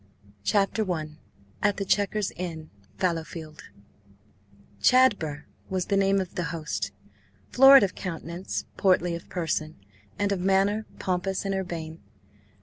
CHAPTER I AT THE CHEQUERS INN, FALLOWFIELD CHADBER was the name of the host, florid of countenance, portly of person, and of manner pompous and urbane.